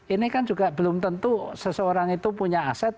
ini kan juga belum tentu seseorang itu punya aset